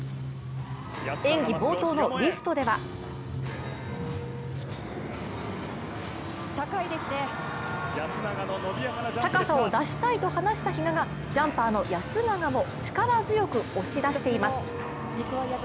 演技冒頭のリフトでは高さを出したいと話した比嘉がジャンパーのヤスナガを力強く押し出しています。